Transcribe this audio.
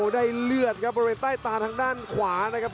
เลือดครับบริเวณใต้ตาทางด้านขวานะครับ